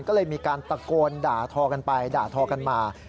ก็เลยมีการตะโกนด่าทอกันไปด่าทอกันมา